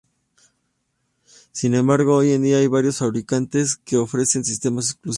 Sin embargo, hoy en día hay varios fabricantes que ofrecen sistemas exclusivos.